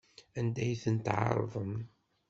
Anda ay tent-tɛerḍem?